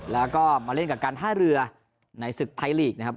แล้วก็มาเล่นกับการท่าเรือในศึกไทยลีกนะครับ